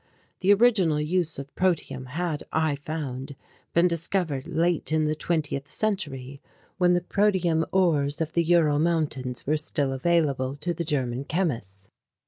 The original use of protium had, I found, been discovered late in the Twentieth Century when the protium ores of the Ural Mountains were still available to the German chemists.